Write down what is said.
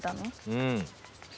うん。